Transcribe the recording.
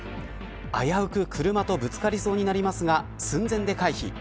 危うく車とぶつかりそうになりますが寸前で回避。